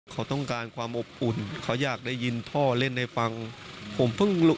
เขาต้องการความอบอุ่นเขาอยากได้ยินพ่อเล่นให้ฟังผมเพิ่งรู้